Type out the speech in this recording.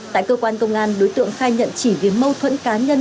tại cơ quan công an đối tượng khai nhận chỉ vì mâu thuẫn cá nhân